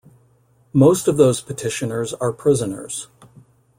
Most of those petitioners are prisoners.